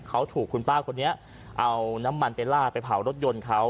เขาถูกคุณป้าคนนี้เอาน้ำมันไปลาดไปเผารถยนต์เขา